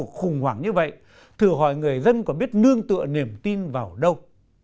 một cuộc khủng hoảng như vậy thử hỏi người dân có biết nương tựa niềm tin vào đâu